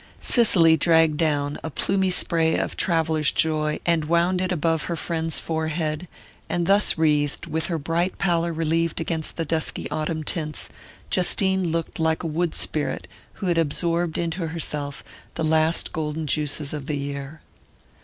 Cicely dragged down a plumy spray of traveller's joy and wound it above her friend's forehead; and thus wreathed, with her bright pallour relieved against the dusky autumn tints, Justine looked like a wood spirit who had absorbed into herself the last golden juices of the year.